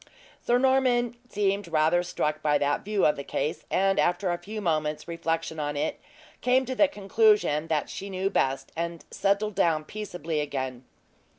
Sir Norman seemed rather struck by that view of the case, and after a few moments reflection on it, came to the conclusion that she knew best, and settled down peaceably again.